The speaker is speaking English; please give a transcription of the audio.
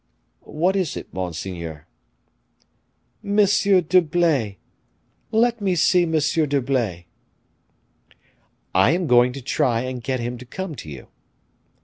"What is it, monseigneur?" "M. d'Herblay; let me see Monsieur d'Herblay." "I am going to try and get him to come to you."